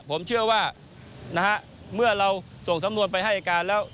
ผมเชื่อว่านะฮะเมื่อเราส่งสำนวนไปให้อายการแล้ว